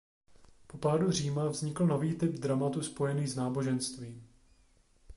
Po pádu Říma vznikl nový typ dramatu spojený s náboženstvím.